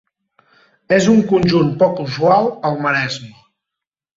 És un conjunt poc usual al Maresme.